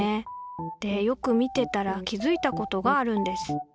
でよく見てたら気づいたことがあるんです。